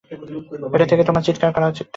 এটা থেকে সে তোমাকে চিৎকার করে ডাকে।